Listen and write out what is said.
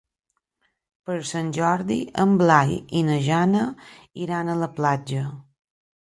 Per Sant Jordi en Blai i na Jana iran a la platja.